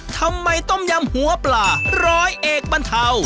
ทำไมต้มยำหัวปลาร้อยเอกบรรเทา